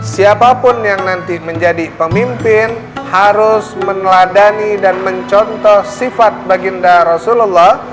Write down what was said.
siapapun yang nanti menjadi pemimpin harus meneladani dan mencontoh sifat baginda rasulullah